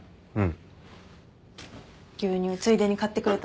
うん。